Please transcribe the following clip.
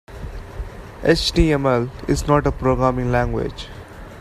HTML is not a programming language.